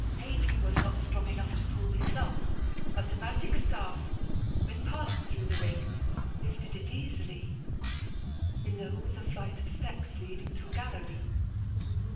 Ha'penny was not strong enough to pull this up; but the magic staff, when passed through the ring, lifted it easily. Below was a flight of steps, leading to a gallery.